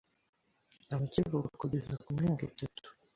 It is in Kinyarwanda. abakivuka kugeza ku myaka itatu,